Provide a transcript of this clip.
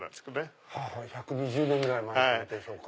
１２０年ぐらい前でしょうか。